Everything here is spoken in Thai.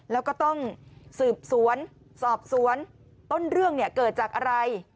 แล้วก็ต้องสืบสวนสอบสวนต้นเรื่องเกิดจากอะไร